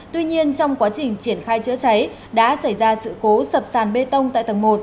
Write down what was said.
tuy nhiên trong quá trình triển khai chữa cháy đã xảy ra sự cố sập sàn bê tông tại tầng một